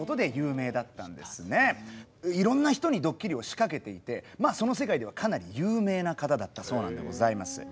いろんな人にドッキリを仕掛けていてその世界ではかなり有名な方だったそうなんでございます。